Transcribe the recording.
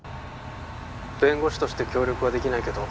☎弁護士として協力はできないけど